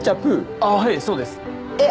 あっはいそうですえっ